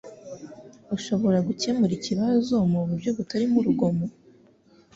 Urashobora gukemura ikibazo muburyo butarimo urugomo